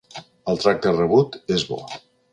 El tracte rebut és bo.